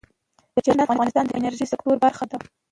چرګان د افغانستان د انرژۍ سکتور برخه ده.